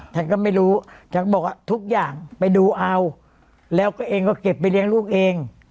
ฉันก็ไม่รู้ฉันบอกว่าทุกอย่างไปดูเอาแล้วก็เองก็เก็บไปเลี้ยงลูกเอง